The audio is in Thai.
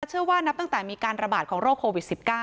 เชื่อว่านับตั้งแต่มีการระบาดของโรคโควิด๑๙